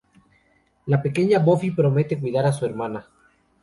La pequeña Buffy promete cuidar a su hermana.